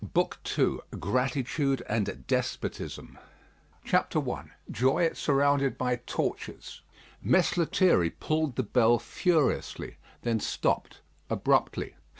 BOOK II GRATITUDE AND DESPOTISM I JOY SURROUNDED BY TORTURES Mess Lethierry pulled the bell furiously, then stopped abruptly.